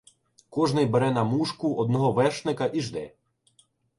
Кожний бере на мушку одного вершника і жде.